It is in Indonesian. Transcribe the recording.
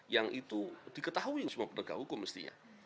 yang itu diketahui semua penegak hukum mestinya